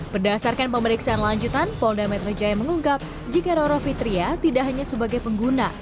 berdasarkan pemeriksaan lanjutan polda metro jaya mengungkap jika roro fitria tidak hanya sebagai pengguna